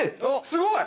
すごい！